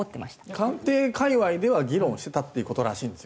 官邸界隈では議論してたっていう事らしいんですよ。